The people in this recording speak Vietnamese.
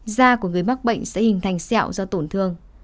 da của người mắc bệnh sẽ hình thành xẹo do tổn thương